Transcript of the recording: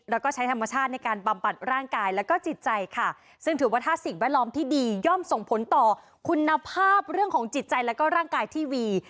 แล้วก็ใช้ธรรมชาติในการบำบัดร่างกายแล้วก็จิตใจค่ะซึ่งถือว่าถ้าสิ่งแวดล้อมที่ดีย่อมส่งผลต่อคุณภาพเรื่องของจิตใจแล้วก็ร่างกายที่วี